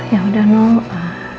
ya udah nona